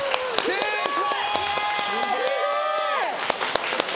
成功！